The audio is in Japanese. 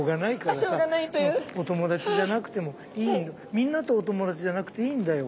みんなとお友達じゃなくていいんだよ。